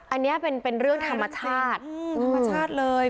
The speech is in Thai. อันนี้เป็นเรื่องธรรมชาติ